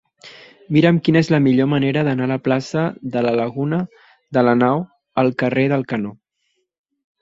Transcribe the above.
Mira'm quina és la millor manera d'anar de la plaça de la Laguna de Lanao al carrer del Canó.